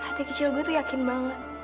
hati kecil gue tuh yakin banget